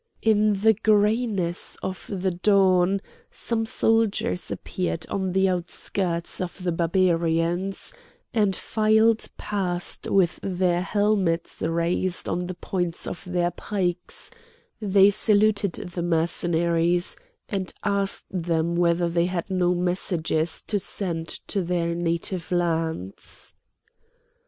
In the greyness of the dawn some soldiers appeared on the outskirts of the Barbarians, and filed past with their helmets raised on the points of their pikes; they saluted the Mercenaries and asked them whether they had no messages to send to their native lands.